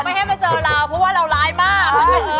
ไม่ให้มาเจอเราเพราะว่าเราร้ายมาก